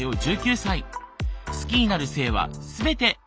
好きになる性は全て。